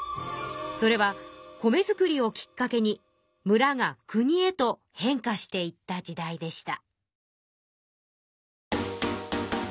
それは米作りをきっかけにむらがくにへと変化していった時代でした。